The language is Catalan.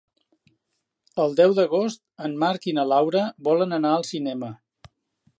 El deu d'agost en Marc i na Laura volen anar al cinema.